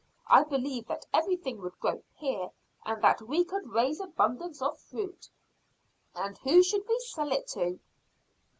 I believe that everything would grow here and that we could raise abundance of fruit." "And who should we sell it to?"